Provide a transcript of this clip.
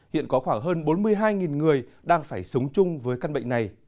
hiện có khoảng hơn bốn mươi hai người đang phải sống chung với căn bệnh này